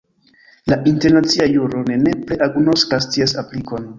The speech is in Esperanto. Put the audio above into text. La internacia juro ne nepre agnoskas ties aplikon.